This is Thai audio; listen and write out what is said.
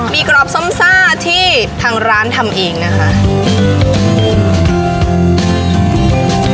มีกรอบส้มซ่าที่ทางร้านทำเองนะคะ